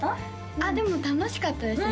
あっでも楽しかったですね